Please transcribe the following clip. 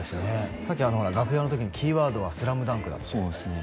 さっき楽屋の時にキーワードは「スラムダンク」だってそうですね